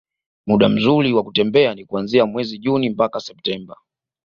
Muda mzuri wa kutembelea ni kuanzia mwezi Juni mpaka Septemba